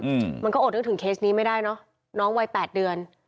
อืมมันก็อดนึกถึงเคสนี้ไม่ได้เนอะน้องวัยแปดเดือน